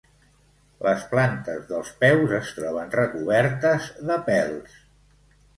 Les plantes dels peus es troben recobertes de pèls.